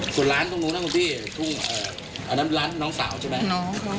ส่วนร้านตรงนู้นนะคุณพี่ร้านน้องสาวใช่ไหม